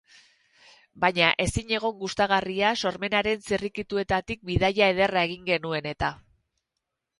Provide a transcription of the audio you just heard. Baina ezinegon gustagarria, sormenaren zirrikituetatik bidaia ederra egin genuen eta.